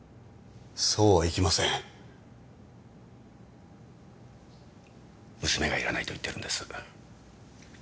そうはいきません娘がいらないと言ってるんです